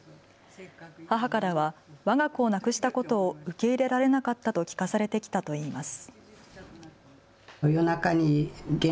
母からはわが子を亡くしたことを受け入れられなかったと聞かされてきたといいます。